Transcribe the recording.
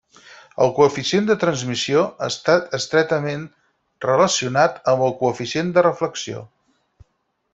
El coeficient de transmissió està estretament relacionat amb el coeficient de reflexió.